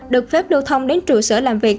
được phép lưu thông đến trụ sở làm việc